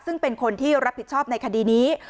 ซึ่งเป็นคนที่รับผิดชอบในคดีนี้